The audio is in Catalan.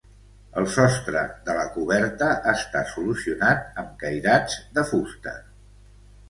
El sostre de la coberta està solucionat amb cairats de fusta.